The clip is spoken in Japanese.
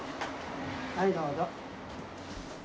はい、どうぞ。